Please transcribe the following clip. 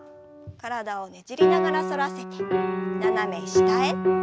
体をねじりながら反らせて斜め下へ。